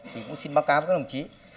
thì cũng xin báo cáo với các đồng chí